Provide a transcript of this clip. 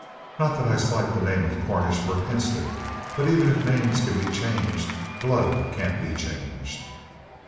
Not that I slight the name of Cornish for an instant. But even if names can be changed, blood can't be changed!"